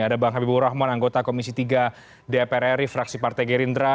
ada bang habibur rahman anggota komisi tiga dpr ri fraksi partai gerindra